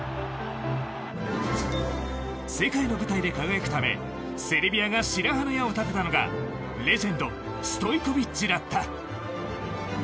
世界の舞台で輝くためセルビアが白羽の矢を立てたのがレジェンドストイコヴィッチだった。